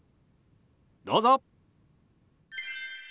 どうぞ！